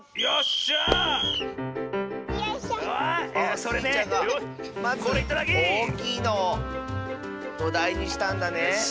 スイちゃんがまずおおきいのをどだいにしたんだね。